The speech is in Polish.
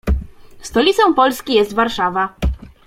Stolicą Polski jest Warszawa.